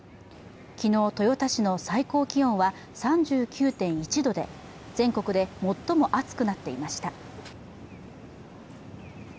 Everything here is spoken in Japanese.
昨日豊田市の最高気温は３９．１度で、全国で最も暑くなっていました。